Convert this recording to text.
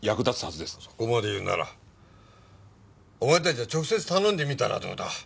そこまで言うならお前たちが直接頼んでみたらどうだ？